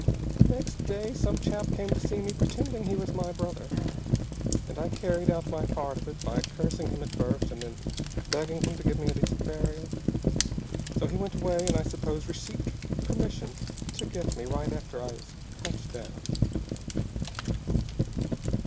"Next day some chap came to see me, pretending he was my brother. And I carried out my part of it by cursing him at first and then begging him to give me decent burial. So he went away, and, I suppose, received permission to get me right after I was cut down.